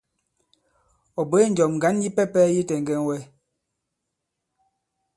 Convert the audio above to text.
Ɔ̀ bwě njɔ̀m ŋgǎn yipɛpɛ yi tɛŋgɛn wɛ.